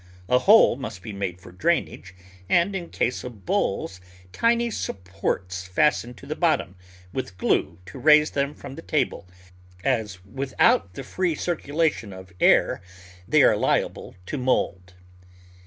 A hole must be made for drainage, and in case of bowls, tiny supports fastened to the bottom with glue to raise them from the table, as without the free circulation of air they are liable to mould.